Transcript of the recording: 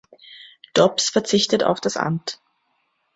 Dobbs verzichtet auf das Amt.